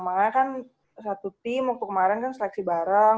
makanya kan satu tim waktu kemarin kan seleksi bareng